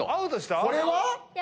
これは。